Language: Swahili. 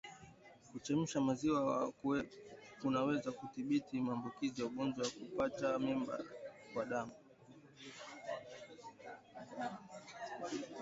Kuchemsha maziwa kunaweza kudhibiti maambukizi ya ugonjwa wa kutupa mimba kwa binadamu